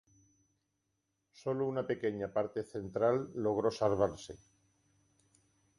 Sólo una pequeña parte central logró salvarse.